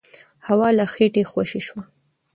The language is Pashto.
هوا له خېټې خوشې شوه.